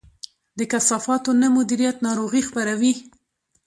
د کثافاتو نه مدیریت ناروغي خپروي.